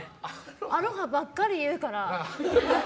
アロハばっかり言うから。